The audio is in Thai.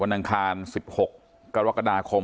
อังคาร๑๖กรกฎาคม